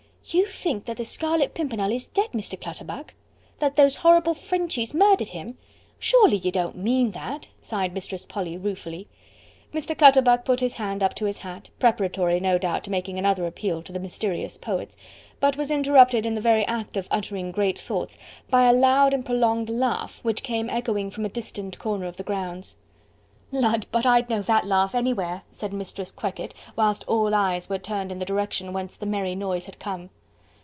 "You think that The Scarlet Pimpernel is dead, Mr. Clutterbuck? That those horrible Frenchies murdered him? Surely you don't mean that?" sighed Mistress Polly ruefully. Mr. Clutterbuck put his hand up to his hat, preparatory no doubt to making another appeal to the mysterious poets, but was interrupted in the very act of uttering great thoughts by a loud and prolonged laugh which came echoing from a distant corner of the grounds. "Lud! but I'd know that laugh anywhere," said Mistress Quekett, whilst all eyes were turned in the direction whence the merry noise had come.